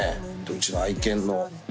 うちの愛犬の。